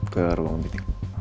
ke ruang meeting